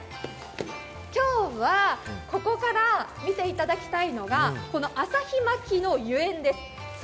今日は、ここから見ていただきたいのが、旭巻のゆえんです。